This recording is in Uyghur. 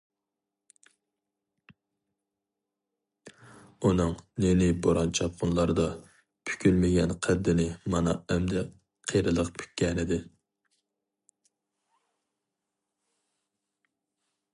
ئۇنىڭ نى-نى بوران -چاپقۇنلاردا پۈكۈلمىگەن قەددىنى مانا ئەمدى قېرىلىق پۈككەنىدى.